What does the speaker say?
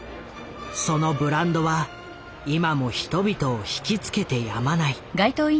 そのブランドは今も人々を引きつけてやまない。